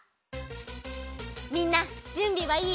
みんなじゅんびはいい？